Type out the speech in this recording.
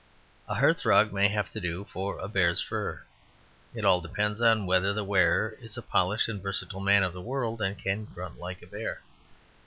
A hearth rug may have to do for a bear's fur; it all depends on whether the wearer is a polished and versatile man of the world and can grunt like a bear.